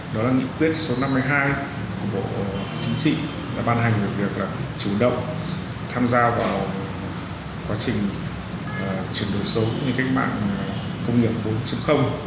đó là nghị quyết số năm mươi hai của bộ chính trị đã ban hành một việc là chủ động tham gia vào quá trình chuyển đổi số như cách mạng công nghiệp bốn